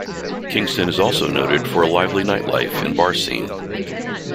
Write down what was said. Kingston is also noted for a lively nightlife and bar scene.